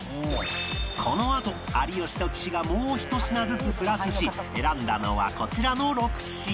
このあと有吉と岸がもう１品ずつプラスし選んだのはこちらの６品